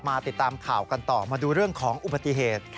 ติดตามข่าวกันต่อมาดูเรื่องของอุบัติเหตุ